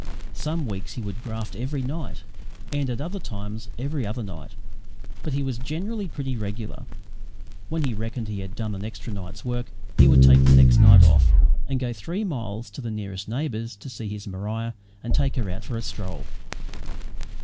Some weeks he would graft every night, and at other times every other night, but he was generally pretty regular. When he reckoned he had done an extra night's work, he would take the next night off and go three miles to the nearest neighbour's to see his Maria and take her out for a stroll.